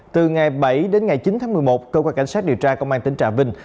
từ ngày bảy đến ngày chín tháng một mươi một cơ quan cảnh sát điều tra công an tỉnh trà vinh